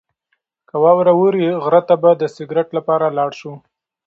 که واوره ووري، غره ته به د سکرت لپاره لاړ شو.